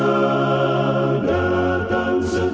yesus mau datang segera